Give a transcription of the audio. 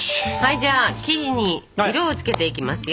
じゃあ生地に色を付けていきますよ。